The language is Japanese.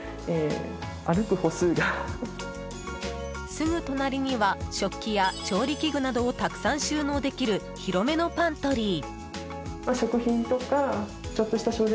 すぐ隣には食器や調理器具などをたくさん収納できる広めのパントリー。